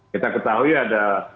kita ketahui ada